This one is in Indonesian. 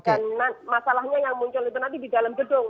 dan masalahnya yang muncul itu nanti di dalam gedung